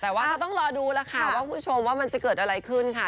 แต่ว่าก็ต้องรอดูแล้วค่ะว่าคุณผู้ชมว่ามันจะเกิดอะไรขึ้นค่ะ